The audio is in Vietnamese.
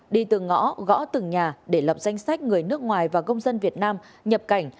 đi từng ngõ gõ từng nhà để lập danh sách người nước ngoài và công dân việt nam nhập cảnh